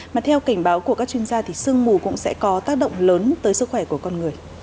mà theo cảnh báo của các chuyên gia thì sương mù cũng sẽ có tác động lớn tới sức khỏe của con người